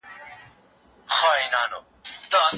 که صبر ونه لرئ نو ژر به ستړي سئ.